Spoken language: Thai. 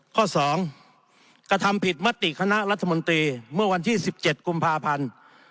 ข้อ๒กระทำผิดมติคณะรัฐมนตรีเมื่อวันที่๑๗กุมภาพันธ์